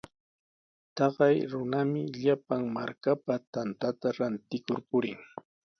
Taqay runami llapan markapa tantata rantikur purin.